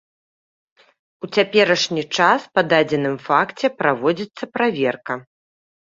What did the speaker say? У цяперашні час па дадзеным факце праводзіцца праверка.